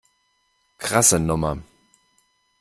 Krasse Nummer.